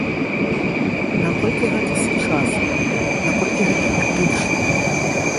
Наколькі гэта сучасна, наколькі гэта этычна?